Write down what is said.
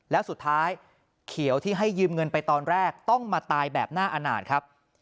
แล้วสุดท้ายเขียวที่ให้ยืมเงินไปตอนแรกต้องมาตายแบบหน้าอนาจครับ